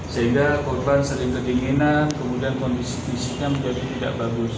sehingga korban sering kedinginan kemudian kondisi fisiknya menjadi tidak bagus